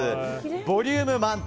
ボリューム満点。